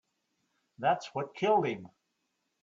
That's what killed him.